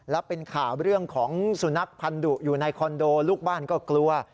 แล้วเป็นข่าวเรื่องของสุนัขพันธุอยู่ในคอนโดลูกบ้านก็กลัว